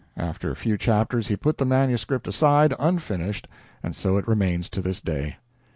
After a few chapters he put the manuscript aside, unfinished, and so it remains to this day.